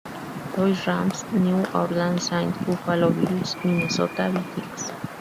Louis Rams, New Orleans Saints, Buffalo Bills y Minnesota Vikings.